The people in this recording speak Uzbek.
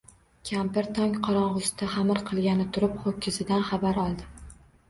Kampir tong qorong‘isida xamir qilgani turib ho‘kizidan xabar oldi